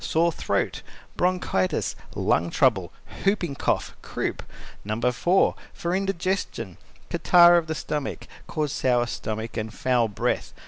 Sore throat, bronchitis, lung trouble, whooping cough, croup. No. 4. For indigestion (catarrh of the stomach) cause sour stomach and foul breath.